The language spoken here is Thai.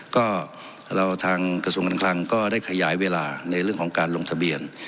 ก็เราทางกระทรวงการคลังก็ได้ขยายเวลาในเรื่องของการลงทะเบียน